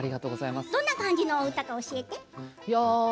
どんな感じの歌か教えて。